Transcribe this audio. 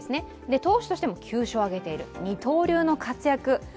投手としても９勝を上げている二刀流の活躍